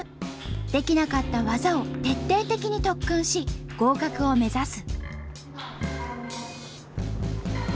できなかった技を徹底的に特訓し合格を目指す。